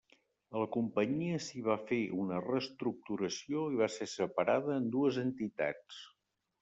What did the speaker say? A la companyia s'hi va fer una reestructuració i va ser separada en dues entitats.